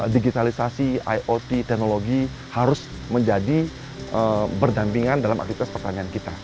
digitalisasi iot teknologi harus menjadi berdampingan dalam aktivitas pertanian kita